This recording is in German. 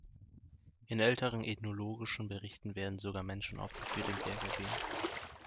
In älteren ethnologischen Berichten werden sogar Menschenopfer für den Berg erwähnt.